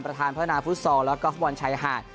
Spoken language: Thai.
ประธานพัฒนาฟุตซอลแล้วก็ฟุตบอลชายหาด